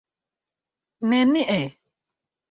nenie